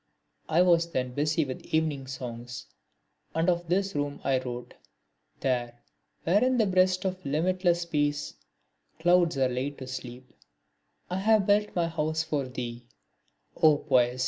I was then busy with the Evening Songs and of this room I wrote: There, where in the breast of limitless space clouds are laid to sleep, I have built my house for thee, O Poesy!